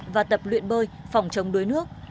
và tập luyện bơi phòng trồng đối nước